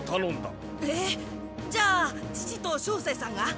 えっ？じゃあ父と照星さんが？